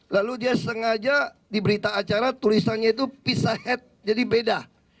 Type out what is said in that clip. lalu dia sengaja diberita acara tulisannya itu pizza head jadi beda